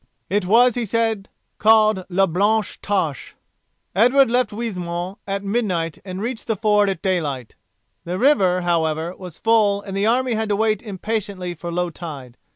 It was, he said, called "La Blanche Tache". Edward left Oisemont at midnight and reached the ford at daylight. The river, however, was full and the army had to wait impatiently for low tide.